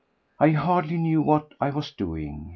I hardly knew what I was doing.